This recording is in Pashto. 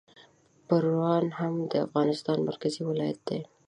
پروان هم د افغانستان مرکزي ولایت دی